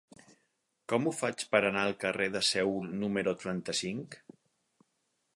Com ho faig per anar al carrer de Seül número trenta-cinc?